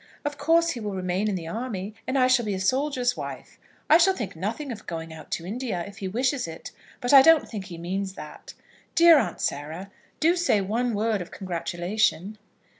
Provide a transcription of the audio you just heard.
Of course he will remain in the army, and I shall be a soldier's wife. I shall think nothing of going out to India, if he wishes it; but I don't think he means that. Dear Aunt Sarah, do say one word of congratulation."